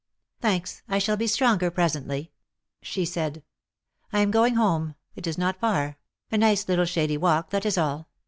" Thanks, I shall be stronger presently," she said ;" I am going home. It is not far ; a nice little shady walk, that is all.